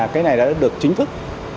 cái này đã được chính thức